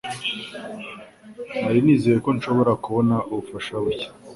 Nari nizeye ko nshobora kubona ubufasha buke.